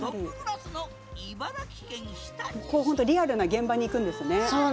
リアルな現場に行くんですね。